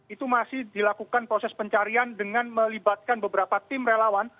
itu masih dilakukan proses pencarian dengan melibatkan beberapa tim relawan